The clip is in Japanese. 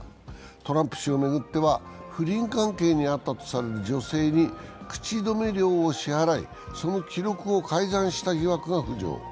トランプ氏を巡っては不倫関係にあったとされる女性に口止め料を支払いその記録を改ざんした疑惑が浮上。